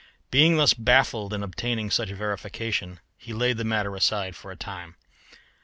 Being thus baffled in obtaining such verification, he laid the matter aside for a time.